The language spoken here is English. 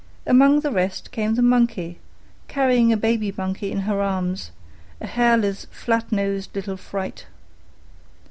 Among the rest came the Monkey, carrying a baby monkey in her arms, a hairless, flat nosed little fright.